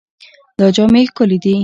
دا جامې ښکلې دي.